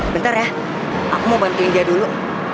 bentar ya aku mau bantuin dia dulu